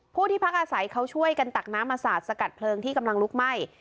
ผู้ที่พักอาศัยเขาช่วยกันตักน้ำมาสาดสกัดเพลิงที่กำลังลุกไหม้